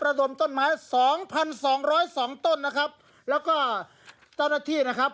ระดมต้นไม้สองพันสองร้อยสองต้นนะครับแล้วก็เจ้าหน้าที่นะครับ